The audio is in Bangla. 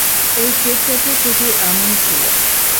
এই কেকটাতে প্রচুর অ্যালমন্ড ছিল।